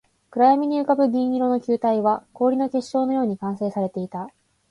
暗闇に浮ぶ銀色の球体は、氷の結晶のように完成されていた